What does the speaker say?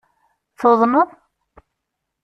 Tuḍneḍ?